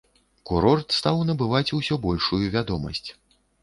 Курорт стаў набываць усё большую вядомасць.